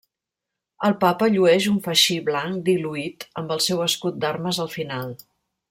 El Papa llueix un faixí blanc diluït, amb el seu escut d'armes al final.